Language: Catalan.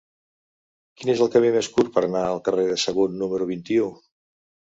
Quin és el camí més curt per anar al carrer de Sagunt número vint-i-u?